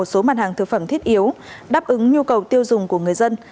một số mặt hàng thực phẩm thiết yếu đáp ứng nhu cầu tiêu dùng của người dân